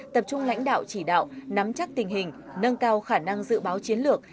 tập trung lãnh đạo chỉ đạo nắm chắc tình hình nâng cao khả năng dự báo chiến lược